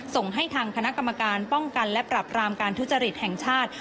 ส่งให้ทางคณะกรรมการป้องกันและปรับรามการทุจริตแห่งชาติ